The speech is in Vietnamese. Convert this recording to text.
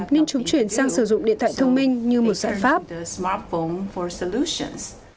nên chúng chỉ có thể chơi với các con